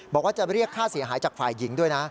บอกว่าจะเรียกค่าเสียหายจากฝ่ายหญิงด้วยนะ